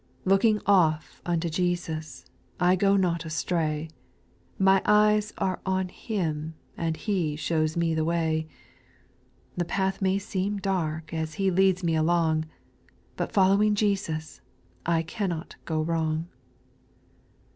4. Looking off unto Jesus, I go not astray ; My eyes are on Him, And He shows mc the way. The path may seem dark As He leads me along, But following Jesus I cannot go wrong.